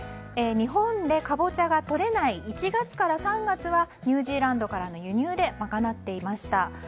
日本でカボチャがとれない１月から３月はニュージーランドからの輸入で賄っていました。